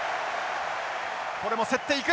これも競っていく！